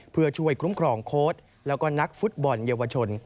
เพื่อช่วยคุ้มครองโค้ดแล้วก็นักฟุตบอลเยาวชน